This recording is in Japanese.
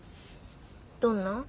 どんなん？